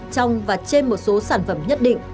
trong và trên một số sản phẩm nhất định